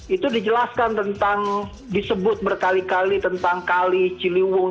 itu dijelaskan tentang disebut berkali kali tentang kali ciliwung